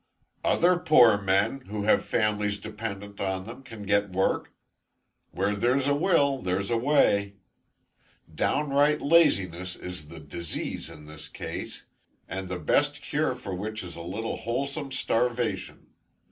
"Other poor men, who have families dependent on them, can get work. Where there's a will there's a way. Downright laziness is the disease in this case, and the best cure for which is a little wholesome starvation.